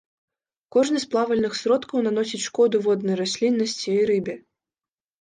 Кожны з плавальных сродкаў наносіць шкоду воднай расліннасці і рыбе.